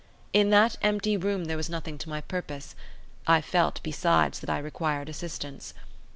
In that empty room there was nothing to my purpose; I felt, besides, that I required assistance.